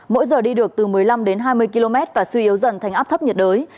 mỗi giờ đi được từ một mươi năm đến hai mươi km và suy yếu dần thành áp thấp nhiệt đới